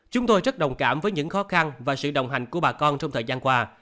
chúng tôi rất đồng cảm với những khó khăn và sự đồng hành của bà con trong thời gian qua